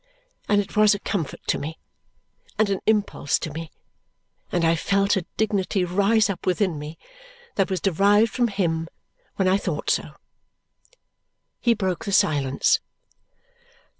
And it was a comfort to me, and an impulse to me, and I felt a dignity rise up within me that was derived from him when I thought so. He broke the silence.